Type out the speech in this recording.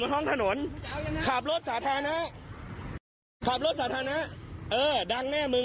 ท้องถนนขับรถสาธารณะขับรถสาธารณะเออดังแน่มึง